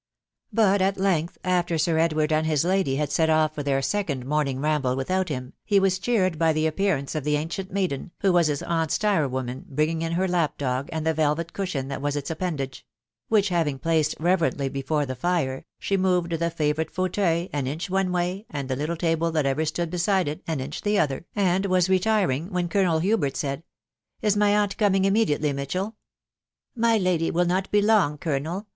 * But at length, after Sir Edward and his lady %ad set off Cor their aeeoad morning anaftie widioat fjftw, (he *was cheered oy the appearance of the ancient maiden, who was his aunt's tire woman, bringing ta tbar lap dog, aB4L4be <ver*et •euslrixm that was its appendage ; which having ffaeed reverently before the Are, she ■moved 4k ^awounte fttutmiU an inch one way, and the little table that ever stood beside it en iaen aVe other, and was retiring, whan Cotanel flWbert «aid, ...." Is tny aunt mowing immediately, Mitahetf *" My lady will not be long, colonel..